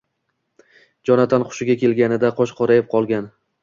Jonatan hushiga kelganida qosh qorayib qolgan